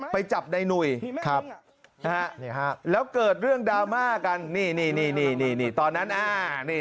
ไปจับนายหนุ่ยครับนะฮะแล้วเกิดเรื่องดราม่ากลางนีตอนนั้นนินี่ใช่เลย